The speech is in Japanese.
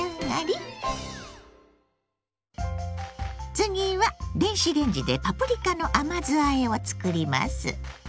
次は電子レンジでパプリカの甘酢あえを作ります。